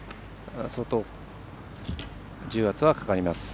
相当、重圧はかかります。